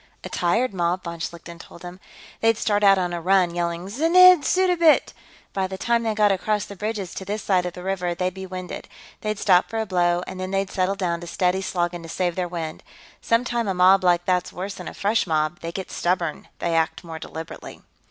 "A tired mob," von Schlichten told him. "They'd start out on a run, yelling 'Znidd Suddabit!' By the time they got across the bridges to this side of the river, they'd be winded. They'd stop for a blow, and then they'd settle down to steady slogging to save their wind. Sometimes a mob like that's worse than a fresh mob. They get stubborn; they act more deliberately."